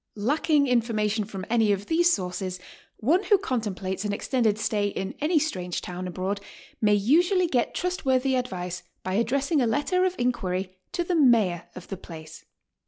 Lacking information from any of these sources, 'one who contemplates an extended stay in any atrange town abroad may usually get trustworthy advice by addressing a letter of inquiry to the Mayor of the place.